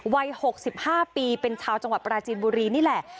วัย๖๕ปีเป็นชาวจังหวัดปราจีนบุรีนี่แหละ